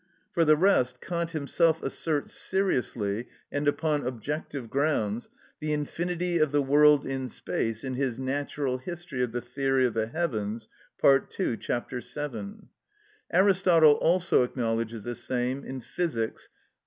For the rest, Kant himself asserts seriously, and upon objective grounds, the infinity of the world in space in his "Natural History of the Theory of the Heavens," part ii. ch. 7. Aristotle also acknowledges the same, "Phys.," iii.